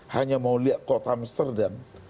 hanya mau lihat kota amsterdam